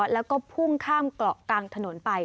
แล้วก็พุ่งข้ามเกาะกลางถนนไป